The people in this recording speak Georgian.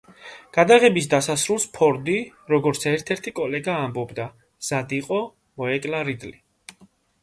გადაღებების დასასრულს ფორდი, როგორც ერთ-ერთი კოლეგა ამბობდა, მზად იყო, მოეკლა რიდლი.